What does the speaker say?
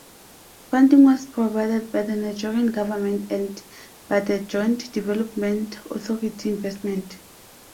Funding was provided by the Nigerian government and by the Joint Development Authority Investment.